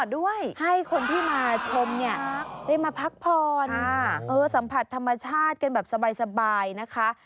ได้มาพักผ่อนสัมผัสธรรมชาติกันแบบสบายนะคะ